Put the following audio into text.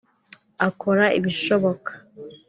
akora ibishoboka